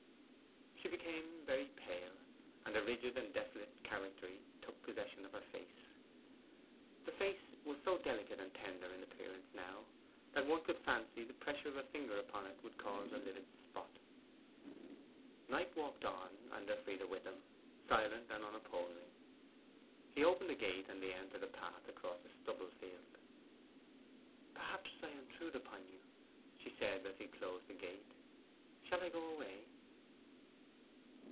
She became very pale, and a rigid and desolate charactery took possession of her face. That face was so delicate and tender in appearance now, that one could fancy the pressure of a finger upon it would cause a livid spot. Knight walked on, and Elfride with him, silent and unopposing. He opened a gate, and they entered a path across a stubble field. 'Perhaps I intrude upon you?' she said as he closed the gate. 'Shall I go away?